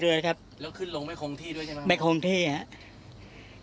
เดือนครับแล้วขึ้นลงไม่คงที่ด้วยใช่ไหมไม่คงที่ครับ